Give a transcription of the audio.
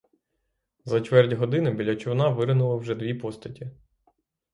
За чверть години біля човна виринули вже дві постаті.